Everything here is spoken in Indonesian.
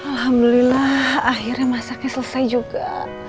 alhamdulillah akhirnya masaknya selesai juga